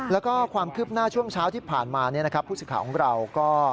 แล้วก็ความคึบหน้าช่วงเช้าที่ผ่านมาพุทธศึกศาลของเราก็